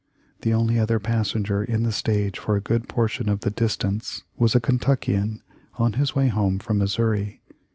The only other passenger in the stage for a good portion of the distance was a Kentuckian, on his way home from Missouri.